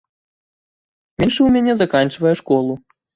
Меншы ў мяне заканчвае школу.